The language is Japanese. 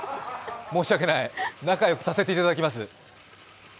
申し訳ない、仲よくさせていただきます。